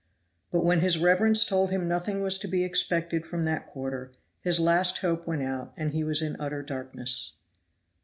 But when his reverence told him nothing was to be expected from that quarter, his last hope went out and he was in utter darkness.